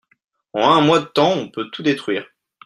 En un mois de temps on peut tout détruire.